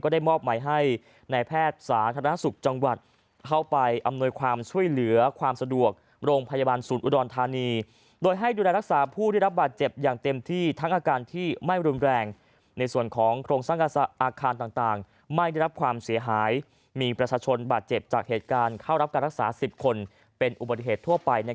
ได้มอบหมายให้นายแพทย์สาธารณสุขจังหวัดเข้าไปอำนวยความช่วยเหลือความสะดวกโรงพยาบาลศูนย์อุดรธานีโดยให้ดูแลรักษาผู้ได้รับบาดเจ็บอย่างเต็มที่ทั้งอาการที่ไม่รุนแรงในส่วนของโครงสร้างอาคารต่างไม่ได้รับความเสียหายมีประชาชนบาดเจ็บจากเหตุการณ์เข้ารับการรักษา๑๐คนเป็นอุบัติเหตุทั่วไป